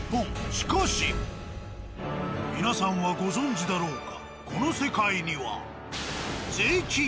しかし皆さんはご存じだろうか。